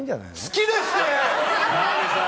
好きですって！